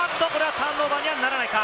ターンオーバーにはならないか？